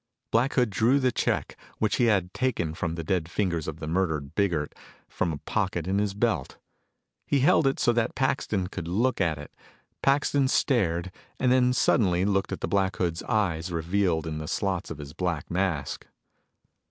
Black Hood drew the check, which he had taken from the dead fingers of the murdered Biggert, from a pocket in his belt. He held it so that Paxton could look at it. Paxton stared, and then suddenly looked at the Black Hood's eyes revealed in the slots of his black mask.